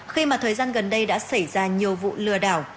khi mà thời gian gần đây đã xảy ra nhiều vụ lừa đảo